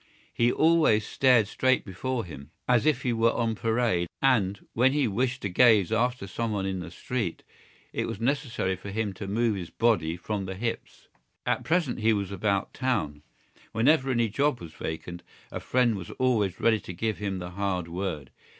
He always stared straight before him as if he were on parade and, when he wished to gaze after someone in the street, it was necessary for him to move his body from the hips. At present he was about town. Whenever any job was vacant a friend was always ready to give him the hard word.